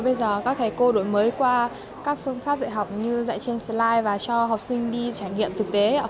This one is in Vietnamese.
bây giờ các thầy cô đổi mới qua các phương pháp dạy học như dạy trên sli và cho học sinh đi trải nghiệm thực tế